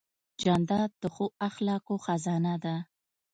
جانداد د ښو اخلاقو خزانه ده.